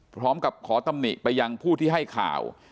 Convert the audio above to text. พร้อมกับขอตำหนิไปยังผู้ที่ให้ข่าว